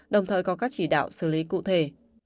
đồng thời có các chỉ đạo xử lý cụ thể